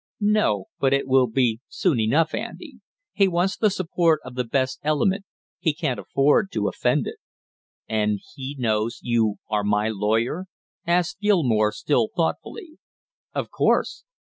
"No, but it will be soon enough, Andy. He wants the support of the best element. He can't afford to offend it." "And he knows you are my lawyer?" asked Gilmore still thoughtfully. "Of course."